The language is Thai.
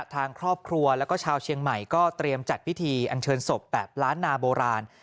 ทางครอบครัวแล้วก็ชาวเชียงใหม่ก็เตรียมจัดพิธีอันเชิญศพแบบล้านนาโบราณ